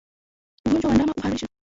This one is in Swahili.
Ugonjwa wa ndama kuharisha